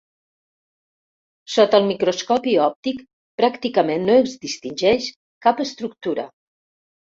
Sota el microscopi òptic pràcticament no es distingeix cap estructura.